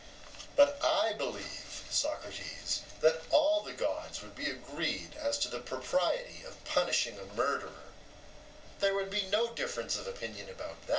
EUTHYPHRO: But I believe, Socrates, that all the gods would be agreed as to the propriety of punishing a murderer: there would be no difference of opinion about that.